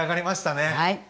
はい。